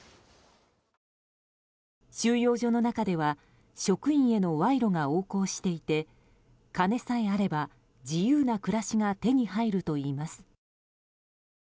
収容所の中では職員への賄賂が横行していて金さえあれば、自由な暮らしが手に入るといいます。